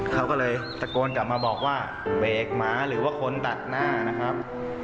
เขาก็เลยตะโกนกลับมาบอกว่าเบรกหมาหรือว่าคนตัดหน้านะครับ